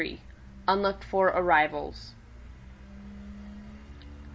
UNLOOKED FOR ARRIVALS.